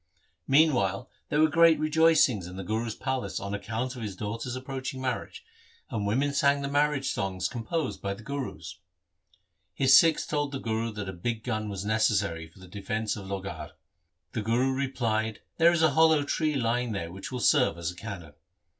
Meantime, there were great rejoicings in the Guru's palace on account of his daughter's approaching marriage, and women sang the marriage songs composed by the Gurus. His Sikhs told the Guru that a big gun was neces sary for the defence of Lohgarh. The Guru replied, ' There is a hollow tree lying there which will serve as a cannon.'